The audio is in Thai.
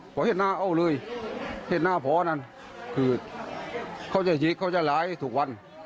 พอเห็นหน้าเอาเลยเห็นหน้าพ่อนั่นคือเขาจะหิกเขาจะร้ายทุกวัน